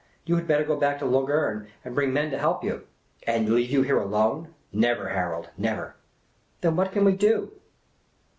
You had better go back to Lungern and bring men to help you." " And leave you here alone ! Never, Harold ; never !"" Then what can we do